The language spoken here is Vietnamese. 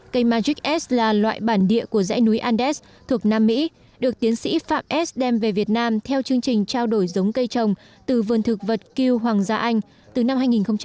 cây matrix s là loại bản địa của dãy núi andes thuộc nam mỹ được tiến sĩ phạm s đem về việt nam theo chương trình trao đổi giống cây trồng từ vườn thực vật kêu hoàng gia anh từ năm hai nghìn một mươi